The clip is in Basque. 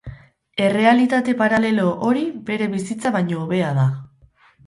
Errealitate paralelo hori bere bizitza baino hobea da.